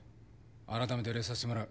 改めて礼させてもらう。